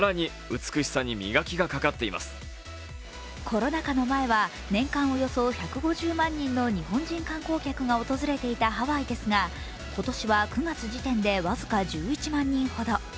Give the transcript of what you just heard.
コロナ禍の前は年間およそ１５０万人の日本人観光客が訪れていたハワイですが今年は９月時点で僅か１１万人ほど。